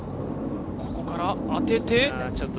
ここから当てて。